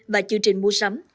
và chương trình mua sắm